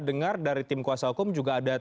dengar dari tim kuasa hukum juga ada